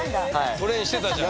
トレインしてたじゃん。